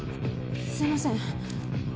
すいません。